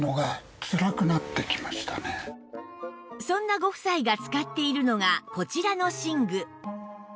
そんなご夫妻が使っているのがこちらの寝具